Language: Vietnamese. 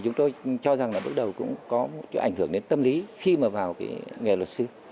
chúng tôi cho rằng bước đầu cũng có ảnh hưởng đến tâm lý khi mà vào nghề luật sư